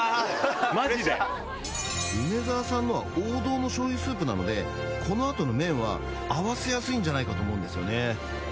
マジで梅沢さんのは王道のしょう油スープなのでこのあとの麺は合わせやすいんじゃないかと思うんですよね